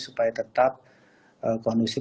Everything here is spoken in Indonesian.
supaya tetap kondisi